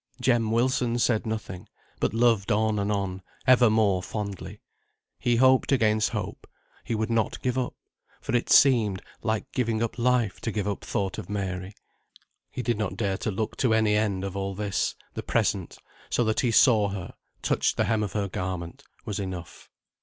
Jem Wilson said nothing, but loved on and on, ever more fondly; he hoped against hope; he would not give up, for it seemed like giving up life to give up thought of Mary. He did not dare to look to any end of all this; the present, so that he saw her, touched the hem of her garment, was enough.